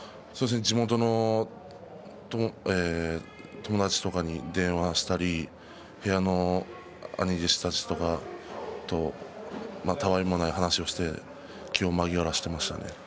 地元の友達とかに電話したり部屋の兄弟子たちとかとたあいもない話をして気を紛らわせていましたね。